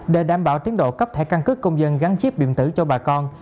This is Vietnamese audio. để đảm bảo tiến độ cấp thể căn cứ công dân gắn chiếp điểm tử cho bà con